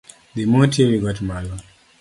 Dhi moti e wigot mali.